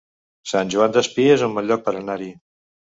Sant Joan Despí es un bon lloc per anar-hi